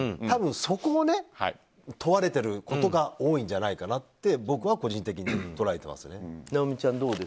多分、そこを問われていることが多いんじゃないかって僕は個人的に捉えてますね。